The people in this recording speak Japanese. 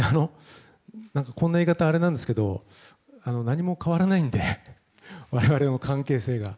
こんな言い方はあれなんですけど何も変わらないので我々の関係性が。